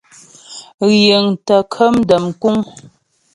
Yǐŋ tə kəm dəm kúŋ.